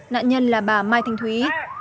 nạn nhân là bà mai thanh thúy